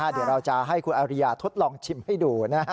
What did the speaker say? เดี๋ยวเราจะให้คุณอาริยาทดลองชิมให้ดู